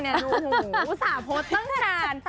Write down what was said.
ดูหูอุตส่าห์โพสต์ตั้งแต่นาน